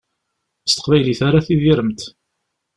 S teqbaylit ara tidiremt.